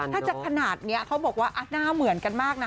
ถ้าจะขนาดนี้เขาบอกว่าหน้าเหมือนกันมากนะ